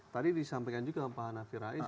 tadi disampaikan juga pak hanafi rais